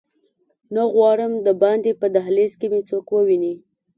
نه غواړم دباندې په دهلېز کې مې څوک وویني.